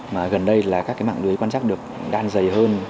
mà gần đây là các cái mạng lưới quan trắc được đan dày hơn